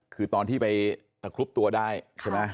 คือตอนที่ไปที่ไปกระคลุปตัวได้ใช่ไหม